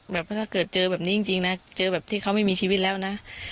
ถ้าเกิดเจอแบบนี้จริงนะเจอแบบที่เขาไม่มีชีวิตแล้วนะ